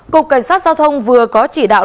cục cảnh sát giao thông vừa có chỉ đạo